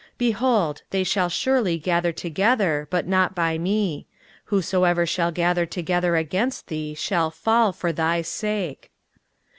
23:054:015 Behold, they shall surely gather together, but not by me: whosoever shall gather together against thee shall fall for thy sake.